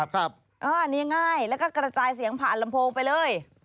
อันนี้ง่ายแล้วก็กระจายเสียงผ่านลำโพงไปเลย